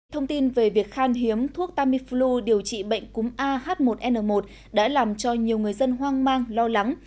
thông tin về việc khan hiếm thuốc tamiflu điều trị bệnh cúng ah một n một đã làm cho nhiều người dân hoang mang lo lắng